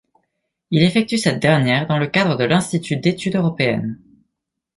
Il effectue cette dernière dans le cadre de l'Institut d’études européennes.